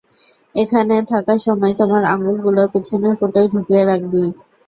এখানে থাকার সময় তোমার আঙুলগুলো পেছনের ফুটোয় ঢুকিয়ে রাখবি।